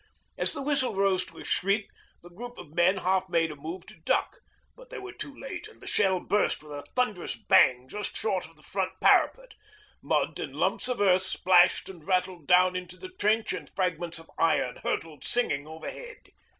As the whistle rose to a shriek, the group of men half made a move to duck, but they were too late, and the shell burst with a thunderous bang just short of the front parapet. Mud and lumps of earth splashed and rattled down into the trench, and fragments of iron hurtled singing overhead.